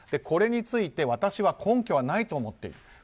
これについて私は根拠はないと思っています。